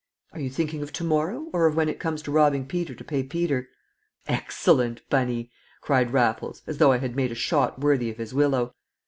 "Are you thinking of to morrow, or of when it comes to robbing Peter to pay Peter?" "Excellent, Bunny!" cried Raffles, as though I had made a shot worthy of his willow.